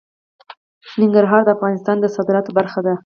ننګرهار د افغانستان د صادراتو برخه ده.